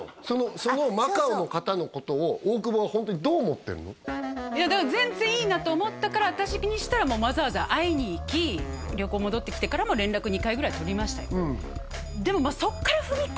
そのマカオの方のことをいやだから全然いいなと思ったから私的にしたらわざわざ会いに行き旅行戻ってきてからも連絡２回ぐらいとりましたよ